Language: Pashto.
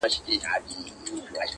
گراني چي ستا سره خبـري كوم ـ